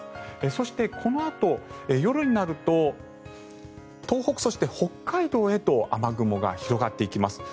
そして、このあと夜になると東北、そして北海道へと雨雲が広がっていきます。